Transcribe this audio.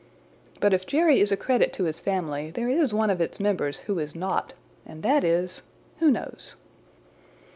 "But if Jerry is a credit to his family there is one of its members who is not and that is who knows?"